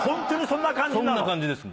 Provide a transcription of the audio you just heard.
そんな感じです